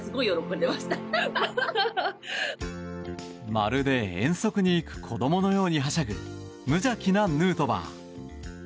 まるで遠足に行く子供のようにはしゃぐ無邪気なヌートバー。